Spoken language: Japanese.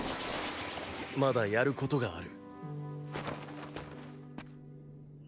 まだやることがある。